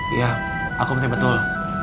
iya aku bener bener betul